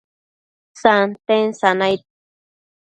santen sanaid